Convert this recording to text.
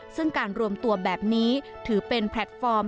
ซึ่งการรวมตัวแบบนี้ถือเป็นแพลตฟอร์ม